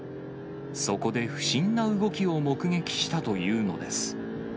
そこで不審な動きを目撃したというのです。